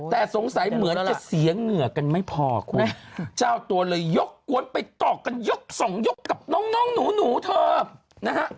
แต่สงสัยเหมือนจะเสียเหงื่อกันไม่พอคุณเจ้าตัวเลยยกกวนไปตอกกันยกสองยกกับน้องหนูเธอนะฮะ